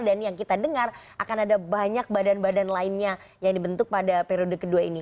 dan yang kita dengar akan ada banyak badan badan lainnya yang dibentuk pada periode kedua ini